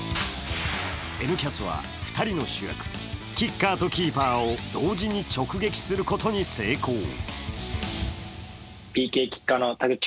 「Ｎキャス」は２人の主役、キッカーとキーパーを同時に直撃することに成功。